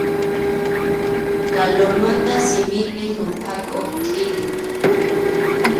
Kalurmanta simipi ruphakuq kʼiri.